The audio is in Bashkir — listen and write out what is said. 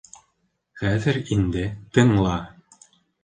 Хәҙер инде тыңла.